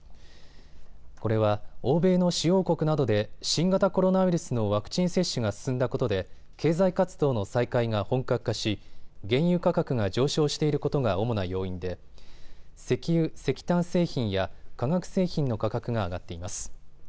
これは欧米の主要国などで新型コロナウイルスのワクチン接種が進んだことで経済活動の再開が本格化し原油価格が上昇していることが主な要因で石油・石炭製品や化学製品の価格が上がっています。